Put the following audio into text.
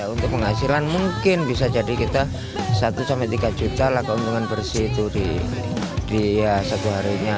untuk penghasilan mungkin bisa jadi kita satu sampai tiga juta lah keuntungan bersih itu di satu harinya